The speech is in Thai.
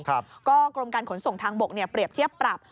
ก็กรมการขนส่งทางบกเปรียบเทียบปรับ